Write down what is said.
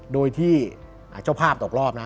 โดยที่เจ้าภาพตกรอบนะ